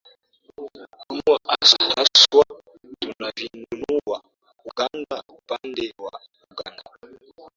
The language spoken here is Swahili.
unua hasa haswa tunavinunua uganda upande wa uganda